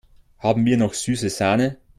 Haben wir noch süße Sahne?